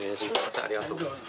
ありがとうございます。